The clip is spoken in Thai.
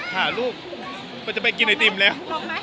หาลูกก็จะไปกินไอติมแล้ว